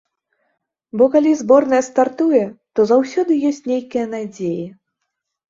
Бо калі зборная стартуе, то заўсёды ёсць нейкія надзеі.